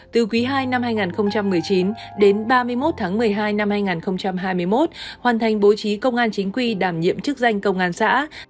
từ quý ii năm hai nghìn một mươi chín đến ba mươi một tháng một mươi hai năm hai nghìn hai mươi một hoàn thành bố trí công an chính quy đảm nhiệm chức danh công an xã